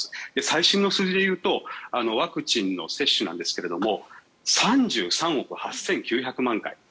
最新の数字で言うとワクチンの接種なんですが３３億８９００万回。